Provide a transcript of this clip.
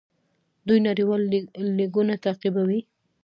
دوی نړیوال لیګونه تعقیبوي.